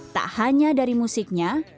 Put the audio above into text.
tak hanya dari musiknya